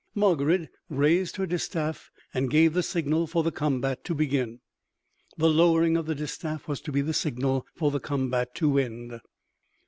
Margarid raised her distaff and gave the signal for the combat to begin; the lowering of the distaff was to be the signal for the combat to end.